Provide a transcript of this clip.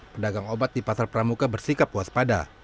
pedagang obat di pasar pramuka bersikap puas pada